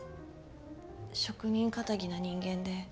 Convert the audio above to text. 職人かたぎな人間で。